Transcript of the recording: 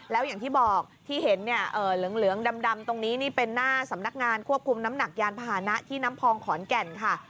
แล้วอย่างที่บอกที่เห็นเนี่ยเหลืองดำตรงนี้นี่เป็นหน้าสำนักงานควบคุมน้ำหนักยานพาหนะที่น้ำพองขอนแก่นค่ะ